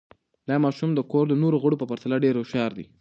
دا ماشوم د کور د نورو غړو په پرتله ډېر هوښیار دی.